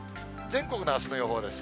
全国のあすの予報です。